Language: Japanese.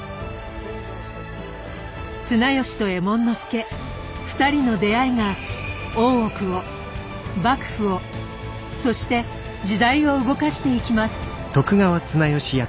綱吉と右衛門佐２人の出会いが大奥を幕府をそして時代を動かしていきます。